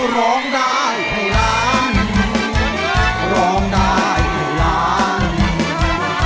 ร้องได้ให้ล้าน